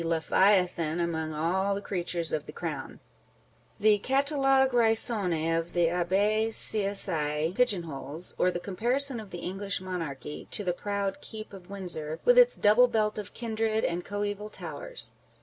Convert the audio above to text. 388 On the Difference between Leviathan among all the creatitres of the crown," â€" the catalogue raisonnee of the Abbe Sieyes's pigeon holes, â€" or the comparison of the English Monarchy to " the proud keep of Windsor, with its double belt of kindred and coeval towers."